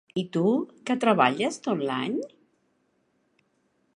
I tu, que treballes tot l'any?